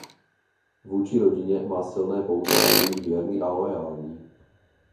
Vůči rodině má silné pouto a je jí věrný a loajální.